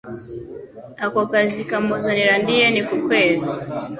Ako kazi kamuzanira andi yen ku kwezi.